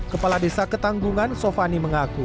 kepala desa ketanggungan sofani mengaku